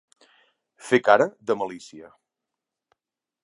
Fer cara de malícia.